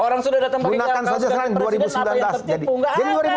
orang sudah datang pakai gaos ganti presiden apa yang tertipu